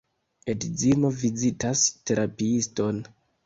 Edzino vizitas terapiiston.